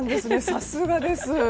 さすがです！